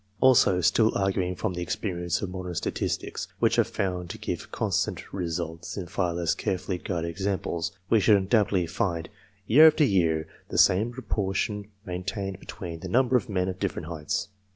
Also still arguing from the experience of modern statistics, which are found to give constant results in far less carefully guarded examples we should undoubtedly find, year after year, the same proportion maintained between the number of men of different heights.